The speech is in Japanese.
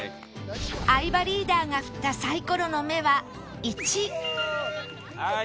相葉リーダーが振ったサイコロの目は１はい